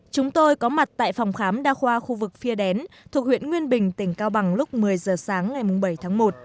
chúng tôi có mặt tại phòng khám đa khoa khu vực phia đén thuộc huyện nguyên bình tỉnh cao bằng lúc một mươi giờ sáng ngày bảy tháng một